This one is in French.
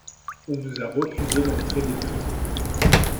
On nous a refusé l'entrée des prisons.